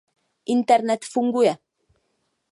Internet funguje.